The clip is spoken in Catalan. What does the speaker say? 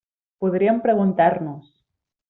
Podríem preguntar-nos.